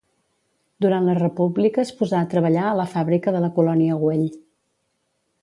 Durant la República es posà a treballar a la fàbrica de la Colònia Güell.